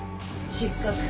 失格。